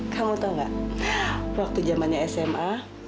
kamu tahu nggak waktu zamannya sma